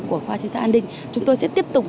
của khoa chính xã an ninh chúng tôi sẽ tiếp tục